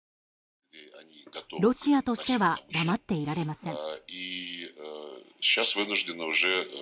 ロシアとしては黙っていられません。